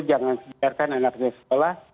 jangan biarkan anaknya sekolah